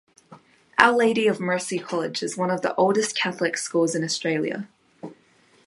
Our Lady of Mercy College is one of the oldest Catholic schools in Australia.